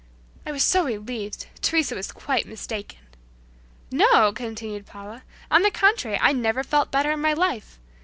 I was so relieved! Teresa was quite mistaken! "No!" continued Paula, "on the contrary, I never felt better in my life.